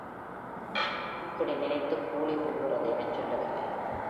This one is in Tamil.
இப்படி நினைத்துக் கோழி கூவுகிறது எனச் சொல்லவில்லை.